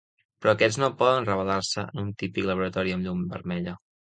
Però aquests no poden revelar-se en un típic laboratori amb llum vermella.